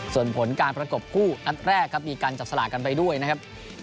ส่วนผลการประกบคู่นัดแรกครับมีการจับสลากกันไปด้วยนะครับ